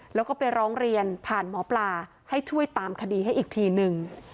แล้วก็ไปร้องเรียนผ่านหมอปลาให้ช่วยตามคดีให้อีกทีนึง